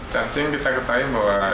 cacing kita ketahui bahwa